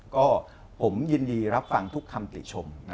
ก็ผมยินดีรับฟังทุกคำติชม